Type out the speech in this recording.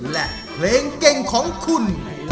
และเพลงเก่งของคุณ